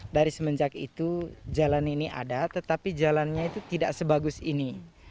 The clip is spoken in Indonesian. dari semenjak itu jalan ini ada tetapi jalannya itu tidak sebagus ini